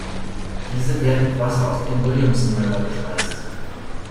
Diese werden mit Wasser aus dem Williamson River gespeist.